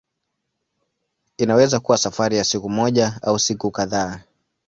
Inaweza kuwa safari ya siku moja au siku kadhaa.